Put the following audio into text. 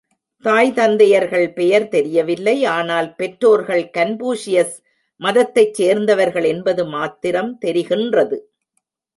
தாய் தந்தையர்கள் பெயர் தெரியவில்லை ஆனால் பெற்றோர்கள் கன்பூஷியஸ் மதத்தைச் சேர்ந்தவர்கள் என்பது மாத்திரம் தெரிகின்றது.